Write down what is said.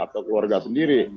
atau keluarga sendiri